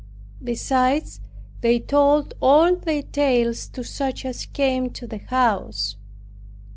Besides, they told all their tales to such as came to the house.